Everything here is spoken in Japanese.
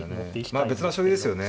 まあ別な将棋ですよね。